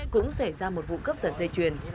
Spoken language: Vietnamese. cũng xảy ra một vụ cướp giật dây chuyền